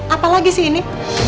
apa lagi sih ini